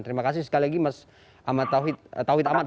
terima kasih sekali lagi mas tauhid amat